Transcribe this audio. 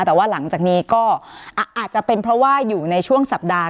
แต่ว่าหลังจากนี้ก็อาจจะเป็นเพราะว่าอยู่ในช่วงสัปดาห